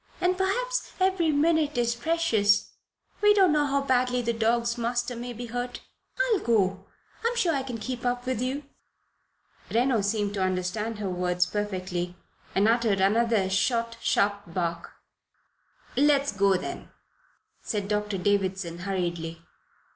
And perhaps every minute is precious. We don't know how badly the dog's master may be hurt. I'll go. I'm sure I can keep up with you." Reno seemed to understand her words perfectly, and uttered another short, sharp bark. "Let us go, then," said Doctor Davison, hurriedly.